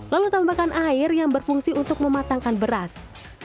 lalu tambahkan air yang berfungsi untuk mematangkan beras